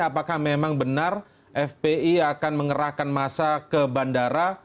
apakah memang benar fpi akan mengerahkan masa ke bandara